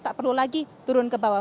tak perlu lagi turun ke bawah